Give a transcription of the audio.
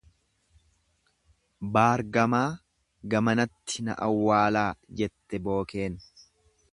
Baar gamaa gamanatti na awwaalaa jette bookeen.